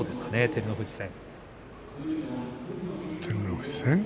照ノ富士戦？